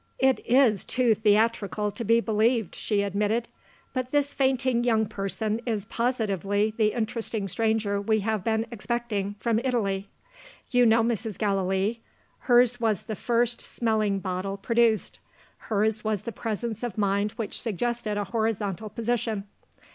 "It is too theatrical to be believed," she admitted; "but this fainting young person is positively the interesting stranger we have been expecting from Italy. You know Mrs. Gallilee. Hers was the first smelling bottle produced; hers was the presence of mind which suggested a horizontal position.